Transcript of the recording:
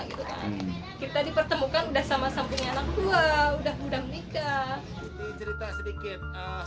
kita dipertemukan udah sama sama punya anak tua udah muda menikah